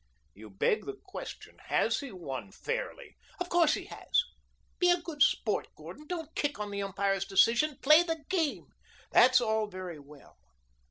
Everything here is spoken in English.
"You beg the question. Has he won fairly?" "Of course he has. Be a good sport, Gordon. Don't kick on the umpire's decision. Play the game." "That's all very well.